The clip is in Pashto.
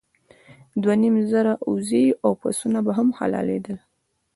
دوه نیم زره اوزې او پسونه به هم حلالېدل.